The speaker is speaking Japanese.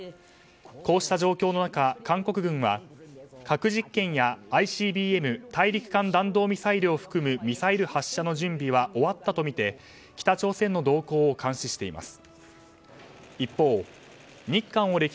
こうした状況の中、韓国軍は核実験やＩＣＢＭ・大陸間弾道ミサイルのミサイル発射の準備は終わったとみて北朝鮮の動向を監視しています。